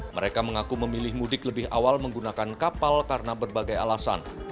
mereka mengaku memilih mudik lebih awal menggunakan kapal karena berbagai alasan